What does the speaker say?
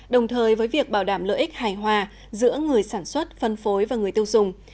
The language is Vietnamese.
đồng thời với việc bảo đảm lợi ích hài hòa giữa người sản xuất phân phối và người tiêu dùng